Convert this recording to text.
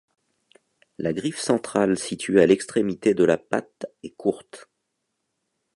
La griffe centrale située à l'extrémité de la patte est courte.